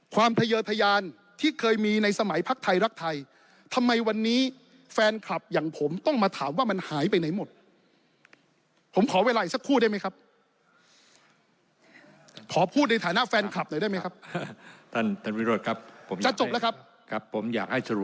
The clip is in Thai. ความเฮย